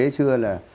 hồi xưa là